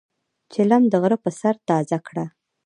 چیلم د غرۀ پۀ سر تازه کړه.